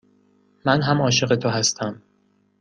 من هم عاشق تو هستم.